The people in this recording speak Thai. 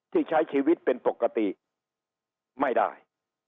ที่ใช้ชีวิตเป็นปกติไม่ได้